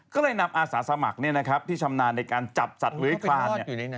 ก็เลยนำอาสาสมัครที่ชำนาญในการจับสัตว์เลื้อยคลาน